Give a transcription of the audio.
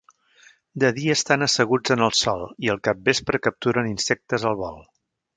De dia estan asseguts en el sòl i al capvespre capturen insectes al vol.